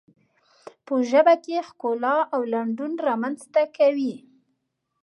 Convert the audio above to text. په ژبه کې ښکلا او لنډون رامنځته کوي.